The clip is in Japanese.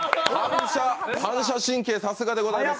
反射神経、さすがでございます。